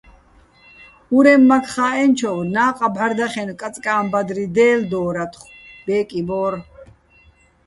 ურემმაქ ხა́ჸენჩოვ ნა́ყა ბჵარდახენო̆ კაწკა́ჼ ბადრი დე́ლდო́რათხო̆, ბე́კი ბო́რ.